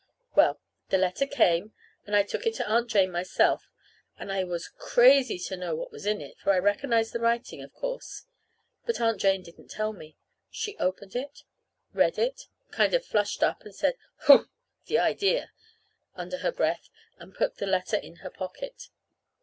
Well, when the letter came I took it to Aunt Jane myself; and I was crazy to know what was in it, for I recognized the writing, of course. But Aunt Jane didn't tell me. She opened it, read it, kind of flushed up, and said, "Humph! The idea!" under her breath, and put the letter in her pocket.